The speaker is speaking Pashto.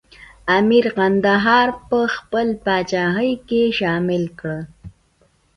امیر کندهار په خپله پاچاهۍ کې شامل کړ.